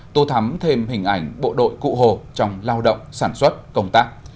tô thắm thêm hình ảnh bộ đội cụ hồ trong lao động sản xuất công tác